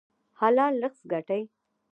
حلال رزق ګټئ